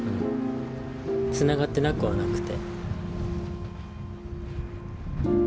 つながってなくはなくて。